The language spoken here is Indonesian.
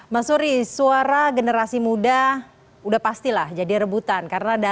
mas suri suara generasi muda sudah pastilah jadi rebutan